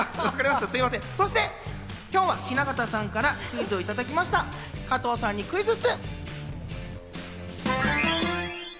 そして今日は雛形さんからクイズをいただきました、加藤さんにクイズッス！